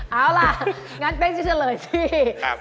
อ๋อเอาล่ะงั้นเป๊กจะเฉลยครับ